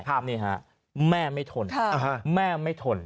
ภาพนี้ฮะแม่ไม่ทน